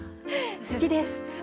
好きです。